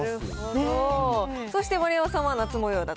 そして丸山さんは夏もようだと。